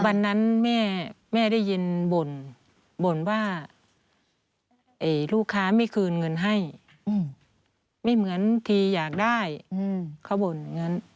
วันนั้นแม่ได้ยินบ่นบ่นว่าลูกค้าไม่คืนเงินให้ไม่เหมือนทีอยากได้เขาบ่นอย่างนั้น